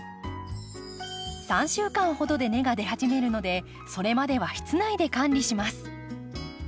３週間ほどで根が出始めるのでそれまでは室内で管理します。